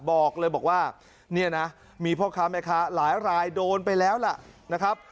บอกเลยบอกว่าเนี่ยนะมีพ่อค้าแม่ค้าหลายรายโดนไปแล้วล่ะนะครับ